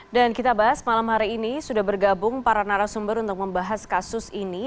dan kita bahas malam hari ini sudah bergabung para narasumber untuk membahas kasus ini